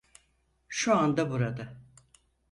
Şu anda burada.